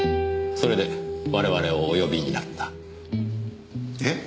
それで我々をお呼びになった。え？